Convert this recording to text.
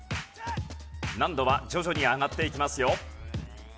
難度は徐々に上がっていきますよ。